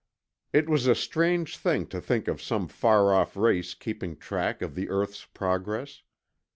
It was a strange thing to think of some far off race keeping track of the earth's progress.